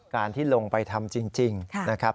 การที่ลงไปทำจริงนะครับ